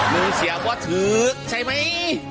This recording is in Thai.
ลูกเสียก็ถือกใช่ไหม